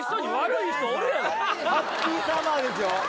「ハッピーサマー」ですよ？